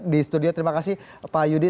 di studio terima kasih pak yudi